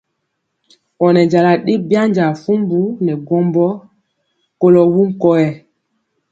Ɔ nɛ jala byanja fumbu nɛ gwɔmbɔ kolɔ wuŋ kɔyɛ.